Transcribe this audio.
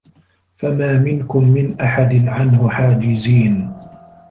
فَما مِنكُم مِن أَحَدٍ عَنهُ حاجِزينَ